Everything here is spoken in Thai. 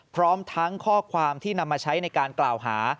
พร้อมทั้งข้อความที่นำมาใช้ในการกล่าวหา